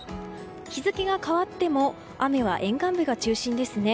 日付が変わっても雨は沿岸部が中心ですね。